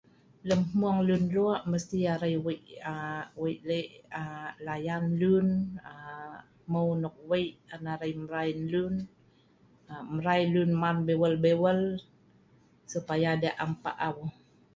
lem mhung lun lok mesti arai wei' aaa wei lek aaa layan lun aaa hmeu nok wei an arai mrai lun aaa mrai lun man biwel biwel supaya deh am pa'au